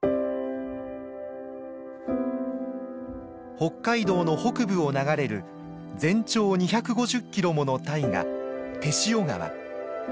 北海道の北部を流れる全長２５０キロもの大河天塩川。